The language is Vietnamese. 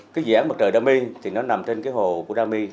cái dự án mặt trời đa my thì nó nằm trên cái hồ của đa my